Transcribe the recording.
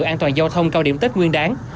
an toàn giao thông cao điểm tích nguyên đáng